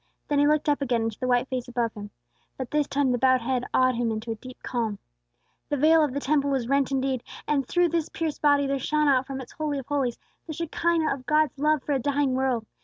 Then he looked up again into the white face above him; but this time the bowed head awed him into a deep calm. The veil of the Temple was rent indeed, and through this pierced body there shone out from its Holy of Holies the Shekinah of God's love for a dying world.